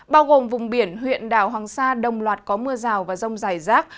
bao gồm vùng biển huyện đảo hoàng sa đồng loạt có mưa rào và rông dài rác